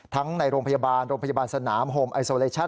ในโรงพยาบาลโรงพยาบาลสนามโฮมไอโซเลชั่น